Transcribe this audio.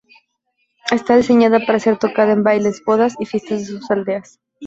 Está diseñada para ser tocada en bailes, bodas y fiestas de las aldeas.